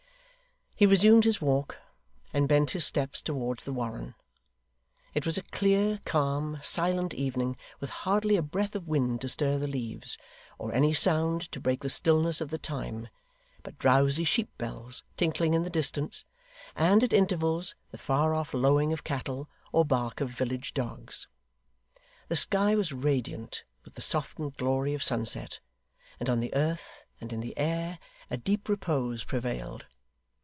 He resumed his walk, and bent his steps towards the Warren. It was a clear, calm, silent evening, with hardly a breath of wind to stir the leaves, or any sound to break the stillness of the time, but drowsy sheep bells tinkling in the distance, and, at intervals, the far off lowing of cattle, or bark of village dogs. The sky was radiant with the softened glory of sunset; and on the earth, and in the air, a deep repose prevailed.